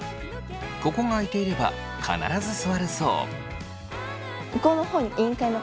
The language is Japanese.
ここが空いていれば必ず座るそう。